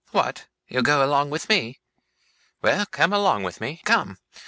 What? You'll go along with me? Well! come along with me come!